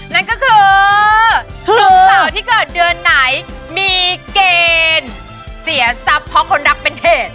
นั่นก็คือหนุ่มสาวที่เกิดเดือนไหนมีเกณฑ์เสียทรัพย์เพราะคนรักเป็นเหตุ